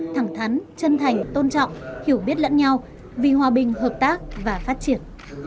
thẳng thắn chân thành tôn trọng hiểu biết lẫn nhau vì hòa bình hợp tác và phát triển